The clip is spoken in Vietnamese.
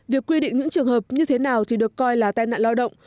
việc quy định những trường hợp như thế nào thì được coi là tai nạn lao động